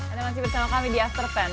anda masih bersama kami di astrofan